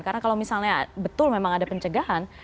karena kalau misalnya betul memang ada pencegahan